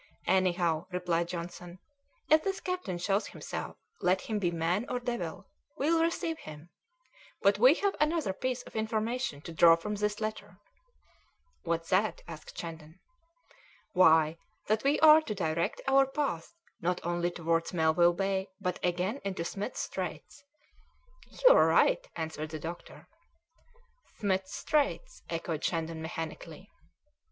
"Anyhow," replied Johnson, "if this captain shows himself, let him be man or devil, we'll receive him; but we have another piece of information to draw from this letter." "What's that?" asked Shandon. "Why, that we are to direct our path not only towards Melville Bay, but again into Smith's Straits." "You are right," answered the doctor. "Smith's Straits?" echoed Shandon mechanically.